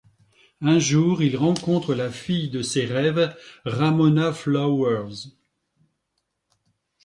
Un jour il rencontre la fille de ses rêves, Ramona Flowers.